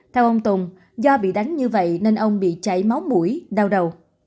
theo ông tùng do bị đánh như vậy nên ông bị chảy máu mũi đau đầu